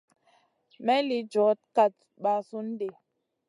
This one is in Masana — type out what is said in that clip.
May lï djoda kat basoun ɗi.